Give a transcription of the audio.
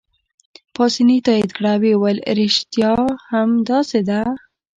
پاسیني تایید کړه او ویې ویل: ریښتیا هم داسې ده.